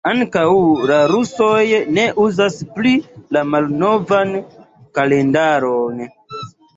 Ankaŭ la rusoj ne uzas plu la malnovan kalendaron.